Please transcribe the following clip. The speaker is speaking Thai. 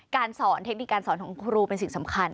การสอนเทคนิคการสอนของครูเป็นสิ่งสำคัญ